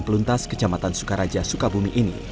di kota lantas kecamatan sukaraja sukabumi ini